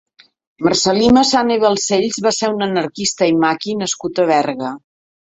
Marcel·lí Massana i Balcells va ser un anarquista i maqui nascut a Berga.